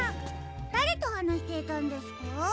だれとはなしていたんですか？